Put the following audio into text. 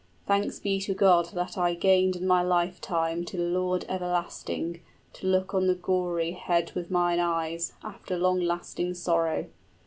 Thanks be to God that I gained in my lifetime, 35 To the Lord everlasting, to look on the gory Head with mine eyes, after long lasting sorrow!